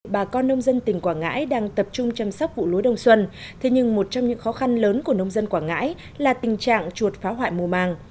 bà con nông dân tỉnh quảng ngãi đang tập trung chăm sóc vụ lúa đông xuân thế nhưng một trong những khó khăn lớn của nông dân quảng ngãi là tình trạng chuột phá hoại mùa màng